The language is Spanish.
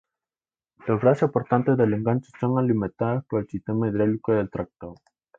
Los brazos portantes del enganche son alimentados por el sistema hidráulico del tractor.